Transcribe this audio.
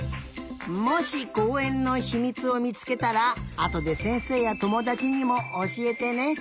もしこうえんのひみつをみつけたらあとでせんせいやともだちにもおしえてね。